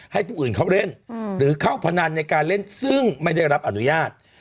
ให้ผู้อื่นเข้าเล่นหรือเข้าพนันในการเล่นซึ่งไม่ได้รับอนุญาต